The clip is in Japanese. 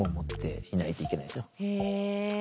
へえ。